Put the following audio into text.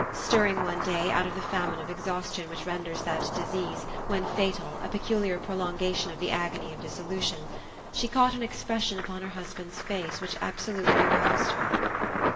Stirring one clay, out of the famine of exhaus tion which renders that disease, when fatal, a pecu liar prolongation of the agony of dissolution, she caught an expression upon her husband's face which absolutely aroused her.